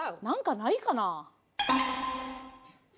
何かないかな？